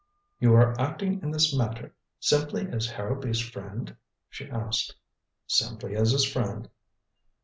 "You are acting in this matter simply as Harrowby's friend?" she asked. "Simply as his friend."